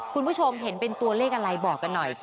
คุณผู้ชมเห็นเป็นตัวเลขอะไรบอกกันหน่อย